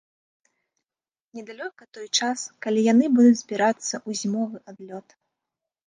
Недалёка той час, калі яны будуць збірацца ў зімовы адлёт.